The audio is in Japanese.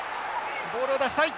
ボールを出したい。